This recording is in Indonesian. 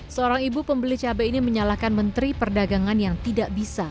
seorang ibu pembeli cabai ini menyalahkan menteri perdagangan yang tidak bisa